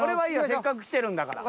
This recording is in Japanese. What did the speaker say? せっかく来てるんだから。